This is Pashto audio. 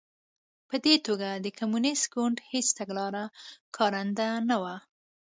په دې توګه د کمونېست ګوند هېڅ تګلاره کارنده نه وه